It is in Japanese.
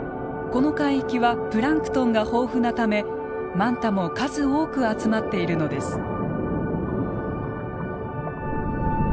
この海域はプランクトンが豊富なためマンタも数多く集まっているのです。